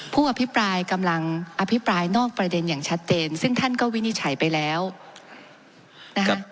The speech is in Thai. ผู้อภิปรายกำลังอภิปรายนอกประเด็นอย่างชัดเจนซึ่งท่านก็วินิจฉัยไปแล้วนะคะ